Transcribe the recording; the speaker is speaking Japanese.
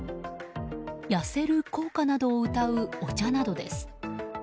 痩せる効果などをうたうお茶などです。